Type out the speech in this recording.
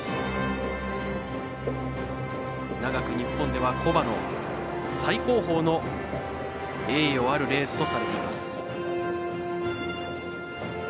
古く日本では古馬の最高峰の栄誉あるコースとされています。